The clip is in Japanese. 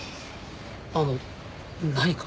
あの何か？